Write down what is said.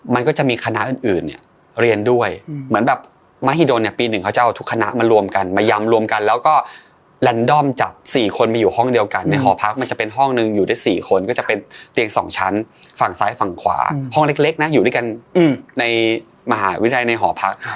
ฝั่งซ้ายฝั่งขวาห้องเล็กเล็กน่ะอยู่ด้วยกันอืมในมหาวิทยาลัยในหอพัก